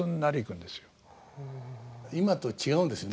今と違うんですよね。